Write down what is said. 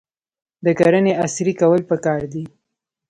د کرنې عصري کول پکار دي.